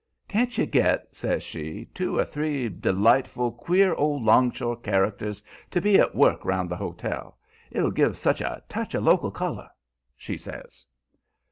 "Can't you get," says she, "two or three delightful, queer, old 'longshore characters to be at work 'round the hotel? It'll give such a touch of local color," she says.